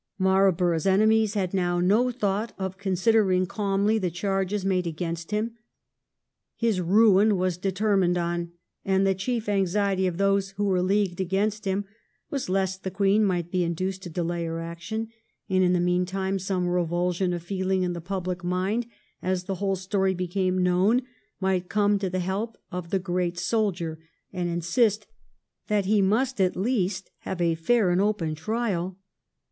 Marlborough's enemies had now no thought of considering calmly the charges made against him. His ruin was determined on, and the chief anxiety of those who were leagued against him was lest the Queen might be induced to delay her action, and in the meantime some revulsion of feeling in the public mind, as the whole story became known, might come to the help of the great soldier, and insist that he must at least have a fair and open trial.